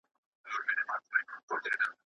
- نورې مې له بل درملتونه اخیستي.